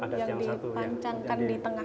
yang dipancangkan di tengah